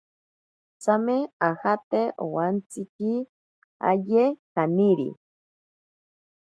Tsame ajate owantsikiaye kaniri.